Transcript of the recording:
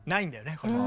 これは。